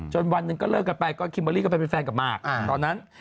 วันหนึ่งก็เลิกกันไปก็คิมเบอร์รี่ก็ไปเป็นแฟนกับหมากตอนนั้น